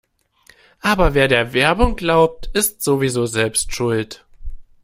Aber wer der Werbung glaubt, ist sowieso selbst schuld.